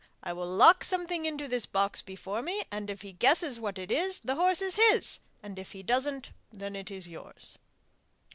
I will lock something into this box before me, and if he guesses what it is, the horse is his, and if he doesn't then it is yours.